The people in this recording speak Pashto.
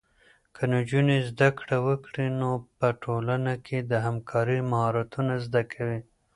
که نجونې زده کړه وکړي، نو په ټولنه کې د همکارۍ مهارتونه زده کوي.